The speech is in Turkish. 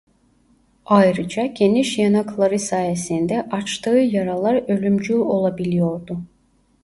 Ayrıca geniş yanakları sayesinde açtığı yaralar ölümcül olabiliyordu.